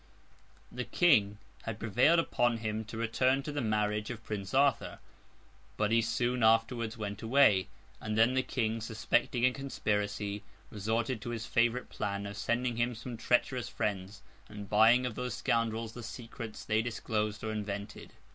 The King had prevailed upon him to return to the marriage of Prince Arthur; but, he soon afterwards went away again; and then the King, suspecting a conspiracy, resorted to his favourite plan of sending him some treacherous friends, and buying of those scoundrels the secrets they disclosed or invented.